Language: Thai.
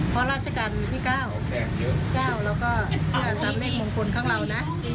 เพราะราชการที่๙เราก็เชื่อตามเลขมงคลของเรานะ